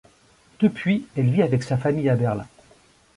Depuis, elle vit avec sa famille à Berlin.